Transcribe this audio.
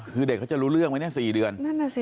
คือเด็กจะรู้เรื่องไหมเนี่ย๔เดือน